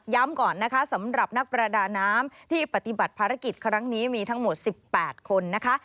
ก่อนนะคะสำหรับนักประดาน้ำที่ปฏิบัติภารกิจครั้งนี้มีทั้งหมด๑๘คนนะคะ